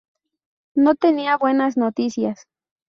No tenía buenas noticias.